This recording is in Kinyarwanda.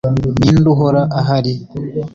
Ninde uhora ahari